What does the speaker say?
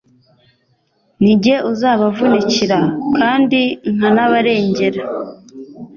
ni jye uzabavunikira kandi nkanabarengera.